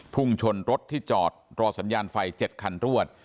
พุ่งชนรถที่จอดรอสัญญาณไฟ๗คันรวด